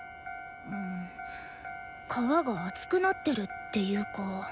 皮が厚くなってるっていうか。